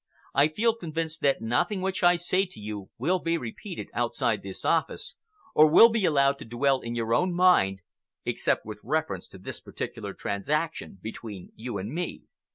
I feel convinced that nothing which I say to you will be repeated outside this office, or will be allowed to dwell in your own mind except with reference to this particular transaction between you and me.